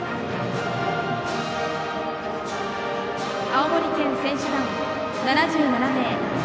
青森県選手団、７７名。